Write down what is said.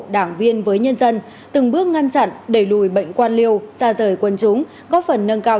đảng viên với nhân dân từng bước ngăn chặn đẩy lùi bệnh quan liêu xa rời quân chúng góp phần nâng cao